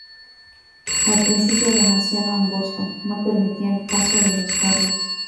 Al principio demasiado angosto, no permitía el paso de los carros.